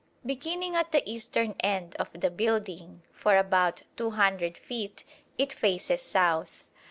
Beginning at the eastern end of the building, for about 200 feet it faces south.